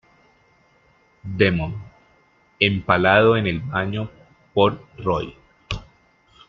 Demon: Empalado en el baño por Roy.